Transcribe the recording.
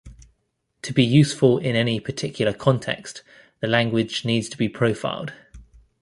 To be useful in any particular context, the language needs to be profiled.